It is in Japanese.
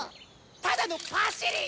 ただのパシリ！